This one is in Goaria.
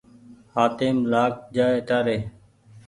هآتيم لآگ جآئي تآري